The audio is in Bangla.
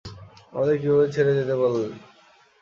আমাদের কীভাবে ছেড়ে যেতে পারলে?